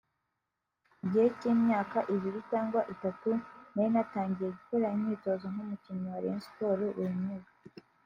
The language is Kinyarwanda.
Mu gihe nk’icy’imyaka ibiri cyangwa itatu nari natangiye gukora imyitozo nk’umukinnyi wa Rayon Sports wemewe